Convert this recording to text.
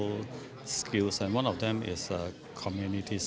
dan salah satunya adalah perkhidmatan komunitas